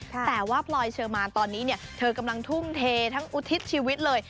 แต่ว่าพลอยเชอร์มานตอนนี้เธอกำลังทุ่มเททั้งอุทิศชีวิตเลย